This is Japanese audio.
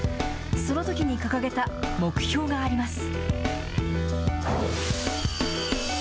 そのときに掲げた目標があります。